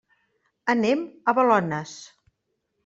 Anem a Balones.